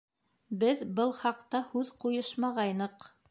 Беҙ был хаҡта һүҙ ҡуйышмағайныҡ.